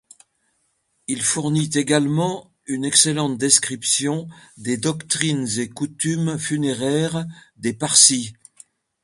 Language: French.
Il fournit également une excellente description des doctrines et coutumes funéraires des Parsi.